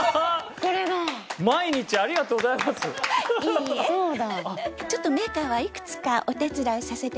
そうだ。